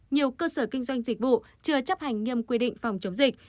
nhiều cơ sở kinh doanh dịch vụ chưa chấp hành nghiêm quy định phòng chống dịch